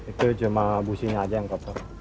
itu cuma businya aja yang kotor